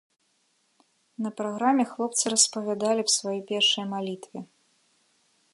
На праграме хлопцы распавядалі аб сваёй першай малітве.